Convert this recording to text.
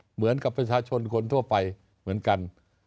เหมือนกับประชาชนคนทั่วไปเหมือนกัน